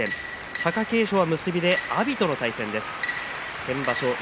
貴景勝の結びで阿炎との対戦です。